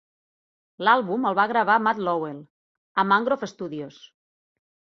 L'àlbum el va gravar Matt Lovell a Mangrove Studios.